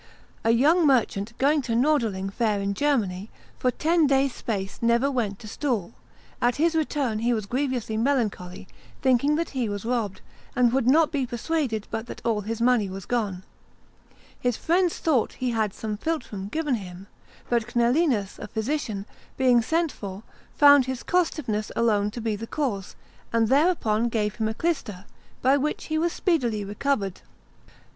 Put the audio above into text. A young merchant going to Nordeling fair in Germany, for ten days' space never went to stool; at his return he was grievously melancholy, thinking that he was robbed, and would not be persuaded but that all his money was gone; his friends thought he had some philtrum given him, but Cnelius, a physician, being sent for, found his costiveness alone to be the cause, and thereupon gave him a clyster, by which he was speedily recovered.